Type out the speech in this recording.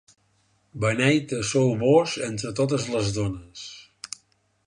Beneita sou Vós entre totes les dones.